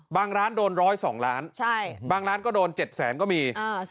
บางร้านโดน๑๐๒ล้านบาทบางร้านโดน๗๐๐๐๐๐บาทก็มี